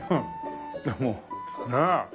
でもねえ。